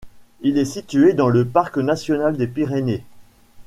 Il est situé dans le Parc National des Pyrénées.